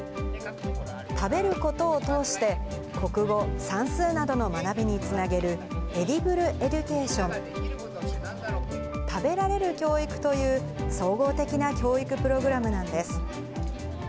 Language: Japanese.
食べることを通して、国語、算数などの学びにつなげるエディブルエデュケーション・食べられる教育という、総合的な教育プログラムなんです。